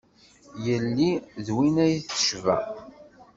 Yelli d win ay tecba.